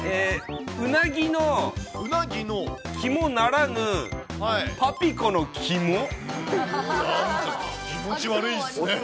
うなぎの肝ならぬ、なんだか気持ち悪いですね。